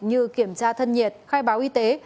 như kiểm tra thân nhiệt khai báo y tế